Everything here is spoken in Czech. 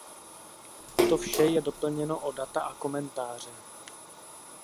To vše je doplněno o data a komentáře.